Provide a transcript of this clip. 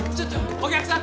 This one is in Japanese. お客さん？